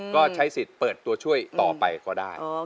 ก็ใช้สิทธิ์เปิดตัวช่วยต่อไปก็ได้